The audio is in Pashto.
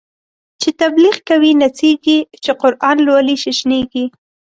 چی تبلیغ کوی نڅیږی، چی قران لولی ششنیږی